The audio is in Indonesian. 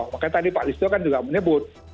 makanya tadi pak listo kan juga menyebut